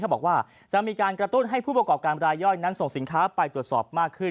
บอกว่าจะมีการกระตุ้นให้ผู้ประกอบการรายย่อยนั้นส่งสินค้าไปตรวจสอบมากขึ้น